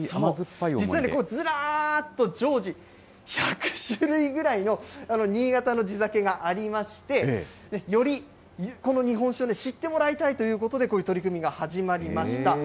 実にずらーっと常時１００種類ぐらいの新潟の地酒がありまして、よりこの日本酒を知ってもらいたいということで、こういう取り組みが始まりました。